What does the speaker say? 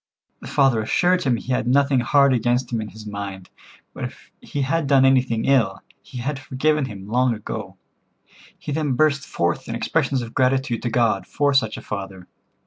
The father assured him he had nothing hard against him in his mind, but if he had done anything ill, he had forgiven him long ago. He then burst forth in expressions of gratitude to God for such a father.